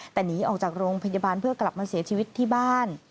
แต่หนีออกจากโรงพยาบาลเพื่อกลับมาเสียชีวิตที่บ้าน